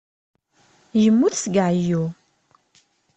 Yemmut seg uɛeyyu.